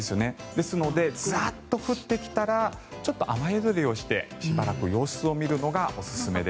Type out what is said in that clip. ですので、ザッと降ってきたらちょっと雨宿りをしてしばらく様子を見るのがおすすめです。